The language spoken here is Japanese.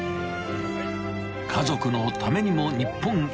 ［家族のためにも日本一を］